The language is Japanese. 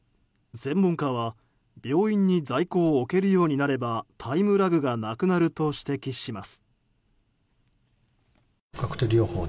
専門家は病院に在庫を置けるようになればタイムラグがなくなると指摘します。